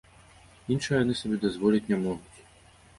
Іншага яны сабе дазволіць не могуць.